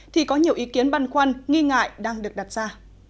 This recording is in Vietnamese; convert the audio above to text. thì có nhiều ý kiến băn khoăn nghi ngại đang được đặt ra